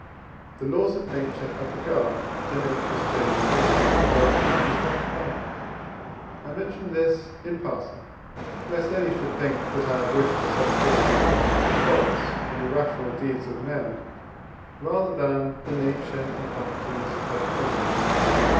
The laws of nature have regard to nature's general order, whereof man is but a part. I mention this, in passing, lest any should think that I have wished to set forth the faults and irrational deeds of men rather than the nature and properties of things.